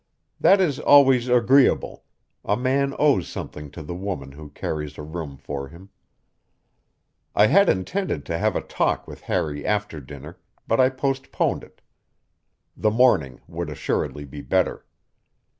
That is always agreeable; a man owes something to the woman who carries a room for him. I had intended to have a talk with Harry after dinner, but I postponed it; the morning would assuredly be better.